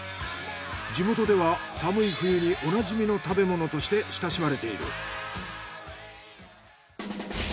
地元では寒い冬におなじみの食べ物として親しまれている。